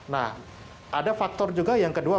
nah ada faktor juga yang kedua